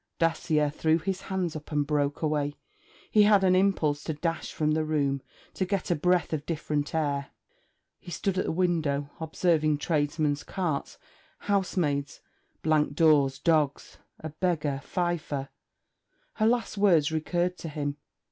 Dacier threw his hands up and broke away. He had an impulse to dash from the room, to get a breath of different air. He stood at the window, observing tradesmen's carts, housemaids, blank doors, dogs, a beggar fifer. Her last words recurred to him.